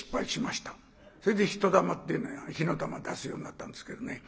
それで人だまって火の玉出すようになったんですけどね。